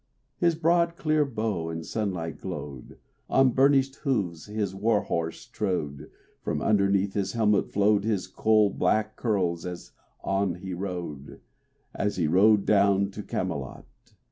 His broad clear brow in sunlight glowed; On burnished hooves his war horse trode; From underneath his helmet flowed His coal black curls as on he rode, As he rode down to Camelot.